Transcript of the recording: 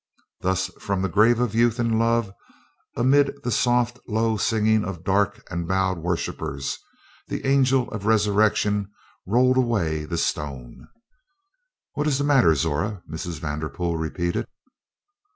Thus from the grave of youth and love, amid the soft, low singing of dark and bowed worshippers, the Angel of the Resurrection rolled away the stone. "What is the matter, Zora?" Mrs. Vanderpool repeated.